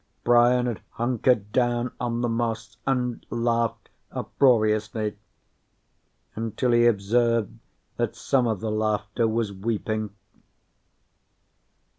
Brian had hunkered down on the moss and laughed uproariously until he observed that some of the laughter was weeping.